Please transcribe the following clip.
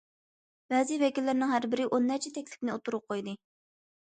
بەزى ۋەكىللەرنىڭ ھەر بىرى ئون نەچچە تەكلىپنى ئوتتۇرىغا قويدى.